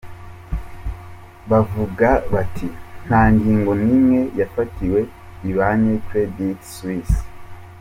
Bavuga bati:"Nta ngingo n'imwe yafatiwe ibanke Credit Suisse.